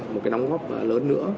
một cái đóng góp lớn nữa